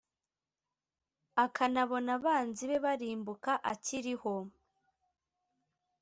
akanabona abanzi be barimbuka akiriho.